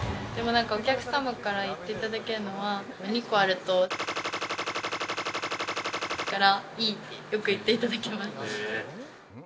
お客様から言っていただけるのは、２個あるとからいいってよく言っていただけます。